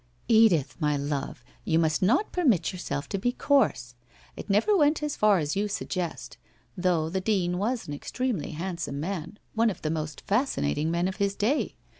' Edith, my love, you must not permit yourself to be coarse. It never went as far as you suggest, though the Dean was an extremely handsome man, one of the most fascinating men of his day.